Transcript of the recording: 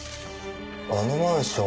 あのマンション